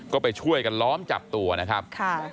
ก็ไปช่วยกันล้อมจับตัวนะครับ